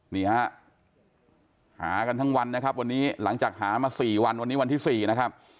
นี่ฮะหากันทั้งวันนะครับวันนี้หลังจากหามา๔วันวันนี้วันที่๔นะครับ